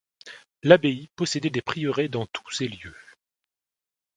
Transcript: L'abbaye possédait des prieurés dans tous ces lieux.